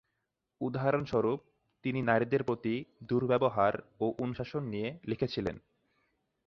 উদাহরণস্বরূপ, তিনি নারীদের প্রতি দুর্ব্যবহার ও অনুশাসন নিয়ে লিখেছিলেন।